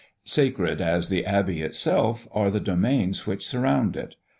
Sacred as the Abbey itself, are the domains which surround it.